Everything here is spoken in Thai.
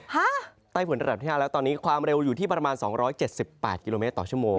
ใต้ผลระดับที่๕แล้วตอนนี้ความเร็วอยู่ที่ประมาณ๒๗๘กิโลเมตรต่อชั่วโมง